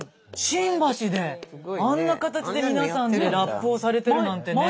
新橋であんな形で皆さんでラップをされてるなんてね。